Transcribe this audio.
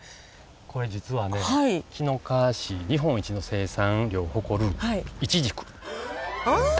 これ実はね紀の川市日本一の生産量を誇るああ！